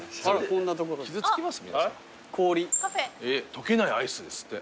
溶けないアイスですって。